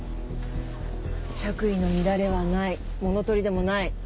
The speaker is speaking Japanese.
着衣の乱れはない物取りでもない。